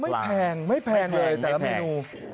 แพงไม่แพงเลยแต่ละเมนู